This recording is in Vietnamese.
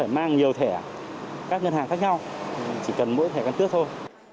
mang nhiều thẻ các ngân hàng khác nhau chỉ cần mỗi thẻ căn cước thôi